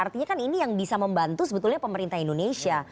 artinya kan ini yang bisa membantu sebetulnya pemerintah indonesia